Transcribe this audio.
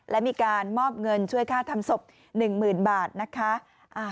และมีการมอบเงินช่วยค่าทำศพ๑๐๐๐บาทนะคะ